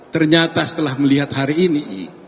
ternyata setelah melihat hari ini